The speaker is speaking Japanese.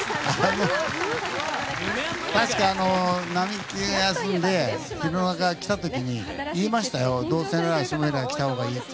確か並木が休んで弘中が来た時に言いましたよ、どうせなら下平が来たほうがいいって。